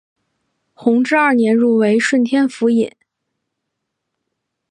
弘治二年入为顺天府尹。